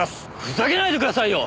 ふざけないでくださいよ！